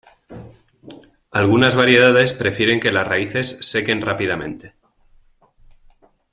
Algunas variedades prefieren que las raíces sequen rápidamente.